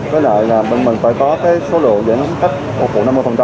với lại là bên mình phải có số lượng dẫn khách phục vụ năm mươi thôi